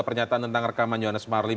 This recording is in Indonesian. pernyataan tentang rekaman johannes marlim